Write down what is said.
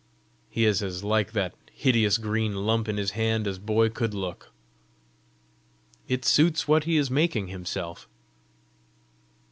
"He is as like that hideous green lump in his hand as boy could look!" "It suits what he is making himself."